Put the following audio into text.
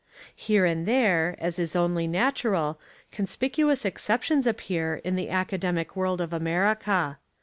Here and there, as Is only natural, conspicuous exceptions ap pear in the academic world of America.